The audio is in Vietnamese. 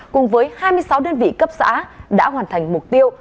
cùng với hai mươi sáu đơn vị cấp xã đã hoàn thành mục tiêu